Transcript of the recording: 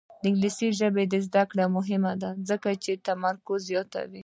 د انګلیسي ژبې زده کړه مهمه ده ځکه چې تمرکز زیاتوي.